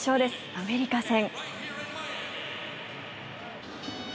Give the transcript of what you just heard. アメリカ戦。